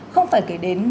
không phải kể đến